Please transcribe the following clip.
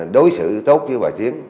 đối xử tốt với bà tiến